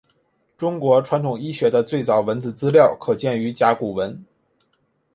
中国传统医学的最早文字资料可见于甲骨文。